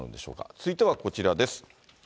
続いてはこちらです。